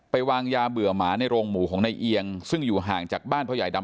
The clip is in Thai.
วางยาเบื่อหมาในโรงหมูของนายเอียงซึ่งอยู่ห่างจากบ้านพ่อใหญ่ดำ